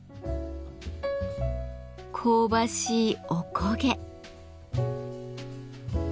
香ばしいおこげ。